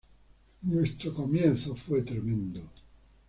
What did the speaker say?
Nuestro comienzo fue tremendo.